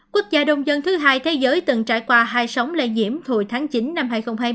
quốc gia đông dân thứ hai thế giới từng trải qua hai sóng lây nhiễm hồi tháng chín năm hai nghìn hai mươi